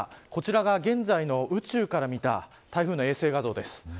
こちらが現在の、宇宙から見た台風の衛星画像です。